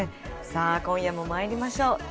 さあ今夜もまいりましょう。